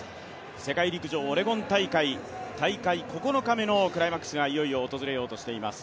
世界陸上オレゴン大会、大会９日目のクライマックスがいよいよ訪れようとしています。